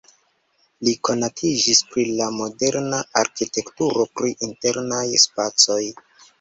Li konatiĝis pri la moderna arkitekturo pri internaj spacoj.